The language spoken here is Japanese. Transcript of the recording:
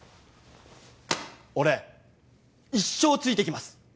俺一生ついていきます